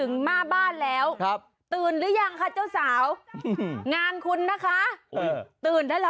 นี้เยี่ยมกฤทธิ์